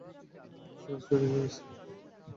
সরাসরি প্যারিসে যাচ্ছি।